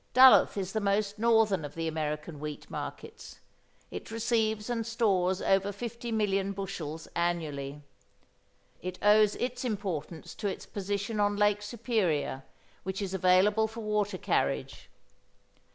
Duluth is the most northern of the American wheat markets. It receives and stores over 50 million bushels annually. It owes its importance to its position on Lake Superior, which is available for water carriage.